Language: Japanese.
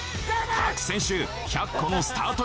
各選手１００個のスタート